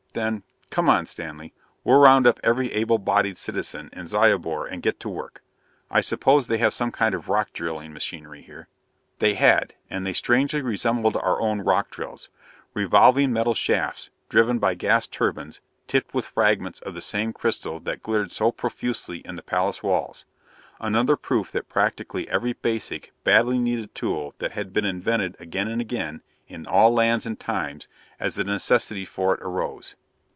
Then, "Come on, Stanley. We'll round up every able bodied citizen in Zyobor and get to work. I suppose they have some kind of rock drilling machinery here?" They had. And they strangely resembled our own rock drills: revolving metal shafts, driven by gas turbines, tipped with fragments of the same crystal that glittered so profusely in the palace walls. Another proof that practically every basic, badly needed tool had been invented again and again, in all lands and times, as the necessity for it arose.